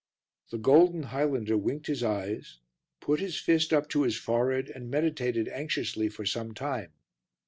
The golden Highlander winked his eyes, put his fist up to his forehead and meditated anxiously for some time.